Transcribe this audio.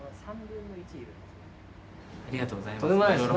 ありがとうございます。